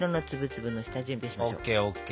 ＯＫＯＫ。